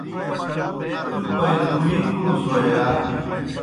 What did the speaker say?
تُوْ پائدُخِی کُھڑوْ سوئے یا؟